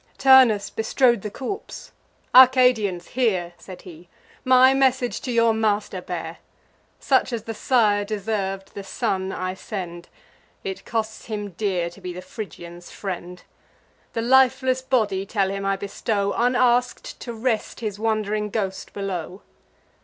Turnus bestrode the corpse: "Arcadians, hear," Said he; "my message to your master bear: Such as the sire deserv'd, the son I send; It costs him dear to be the Phrygians' friend. The lifeless body, tell him, I bestow, Unask'd, to rest his wand'ring ghost below."